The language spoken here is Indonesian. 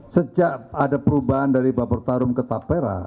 sejak ada perubahan dari baper tarum ke tapera